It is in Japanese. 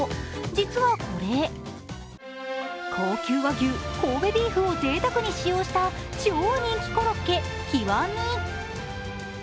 実はこれ、高級和牛神戸ビーフをぜいたくに使用した超人気コロッケ「極み」。